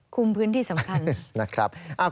คุมพื้นที่สำคัญ